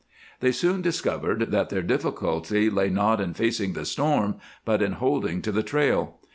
They soon discovered that their difficulty lay not in facing the storm, but in holding to the trail.